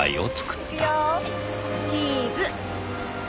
チーズ。